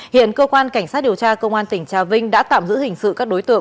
hiện cơ quan cảnh sát điều tra công an tỉnh trà vinh đã tạm giữ hình sự các đối tượng